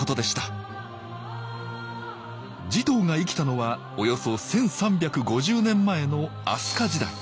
持統が生きたのはおよそ１，３５０年前の飛鳥時代。